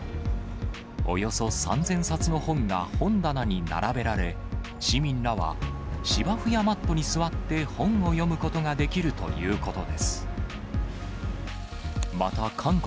およそ３０００冊の本が本棚に並べられ、市民らは芝生やマットに座って本を読むことができるということです。